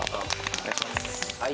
お願いします。